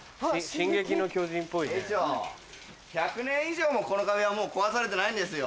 兵長１００年以上もこの壁はもう壊されてないんですよ。